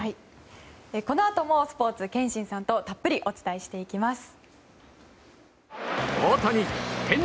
このあともスポーツ憲伸さんとたっぷりお伝えしていきます。